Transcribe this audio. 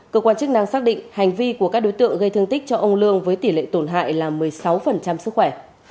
cơ quan chức năng xác định hành vi của các đối tượng gây thương tích cho ông lương với tỷ lệ tổn hại là một mươi sáu sức khỏe